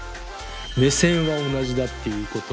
目線は同じだっていうこと。